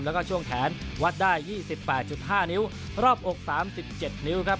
แล้วก็ช่วงแขนวัดได้๒๘๕นิ้วรอบอก๓๗นิ้วครับ